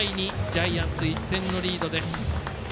ジャイアンツ、１点のリードです。